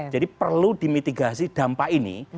jadi perlu dimitigasi dampak ini